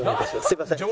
すみません。